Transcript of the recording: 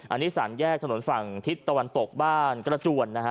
อันนี้สามแยกถนนฝั่งทิศตะวันตกบ้านกระจวนนะฮะ